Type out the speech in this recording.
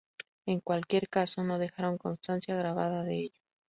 En cualquier caso, no dejaron constancia grabada de ello.